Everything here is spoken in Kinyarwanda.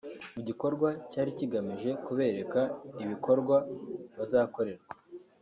Mu gikorwa cyari kigamije kubereka ibikorwa bazakorerwa